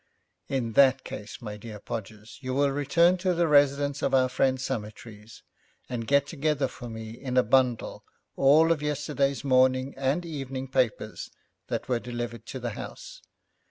'In that case, my dear Podgers, you will return to the residence of our friend Summertrees, and get together for me in a bundle all of yesterday's morning and evening papers, that were delivered to the house.